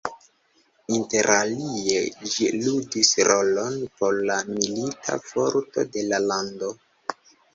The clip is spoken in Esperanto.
Interalie ĝi ludis rolon por la milita forto de la lando.